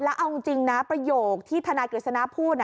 แล้วเอาจริงนะประโยคที่ธนายกฤษณะพูด